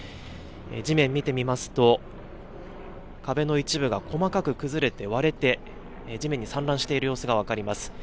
地面見てみますと、壁の一部が細かく崩れて割れて、地面に散乱している様子が分かります。